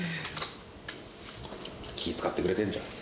気遣ってくれてんじゃん。